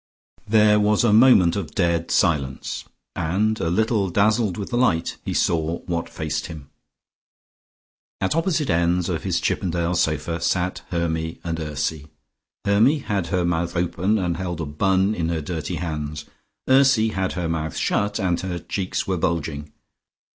There was a moment of dead silence, and a little dazzled with the light he saw what faced him. At opposite ends of his Chippendale sofa sat Hermy and Ursy. Hermy had her mouth open and held a bun in her dirty hands. Ursy had her mouth shut and her cheeks were bulging.